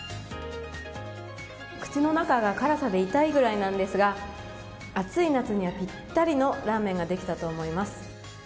口の中が辛さで痛いぐらいなんですが暑い夏にはぴったりのラーメンができたと思います。